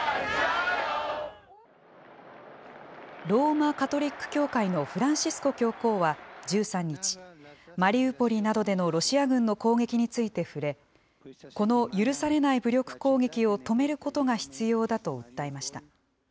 ローマ・カトリック教会のフランシスコ教皇は１３日、マリウポリなどでのロシア軍の攻撃について触れ、この許されない武力攻撃を止めることが必要だと訴えました。